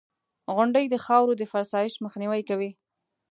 • غونډۍ د خاورو د فرسایش مخنیوی کوي.